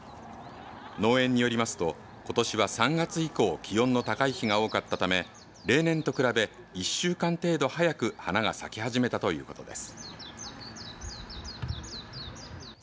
農園によりますとことしは３月以降気温の高い日が多かったため例年と比べ、１週間程度早く花が咲き始めたということです。